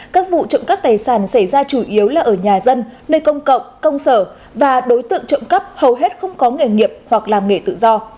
các vụ trộm cắp tài sản xảy ra chủ yếu là ở nhà dân nơi công cộng công sở và đối tượng trộm cắp hầu hết không có nghề nghiệp hoặc làm nghề tự do